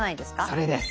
それです。